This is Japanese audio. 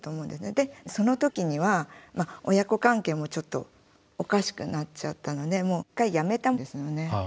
その時には親子関係もちょっとおかしくなっちゃったので一回やめたんですね。